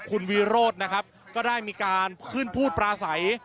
คุณวิโรธนะครับก็ได้มีการขึ้นพูดปลาใส